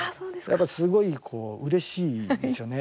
やっぱ、すごいうれしいですよね。